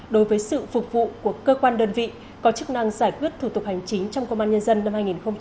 đối với sự phục vụ của cơ quan đơn vị có chức năng giải quyết thủ tục hành chính trong công an nhân dân năm hai nghìn hai mươi ba